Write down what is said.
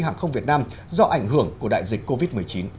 hàng không việt nam do ảnh hưởng của đại dịch covid một mươi chín